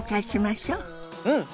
うん！